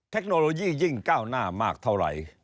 เทคโนโลยียิ่งก้าวหน้ามากเท่าไหร่